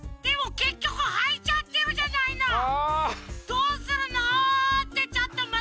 どうするの？ってちょっとまさとも！